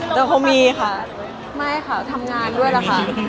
เป็นความทรงงานเดียวแล้วคะ